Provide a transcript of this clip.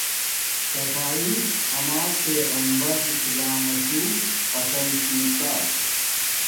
صفاݵݷ آما پیغبر اسلام ماشو پسند چھی کا